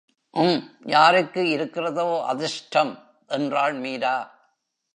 உம், யாருக்கு இருக்கிறதோ அதிர்ஷ்டம்! என்றாள் மீரா.